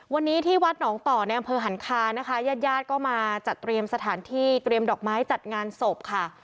วันนี้ที่วัดหนองต่อในอำเภอหันคานะคะญาติญาติก็มาจัดเตรียมสถานที่เตรียมดอกไม้จัดงานศพค่ะ